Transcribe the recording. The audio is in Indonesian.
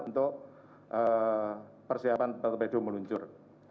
untuk persiapan terbedo meluncur